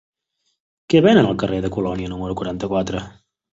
Què venen al carrer de Colònia número quaranta-quatre?